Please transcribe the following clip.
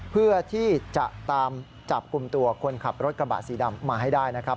เพื่อที่จะตามจับกลุ่มตัวคนขับรถกระบะสีดำมาให้ได้นะครับ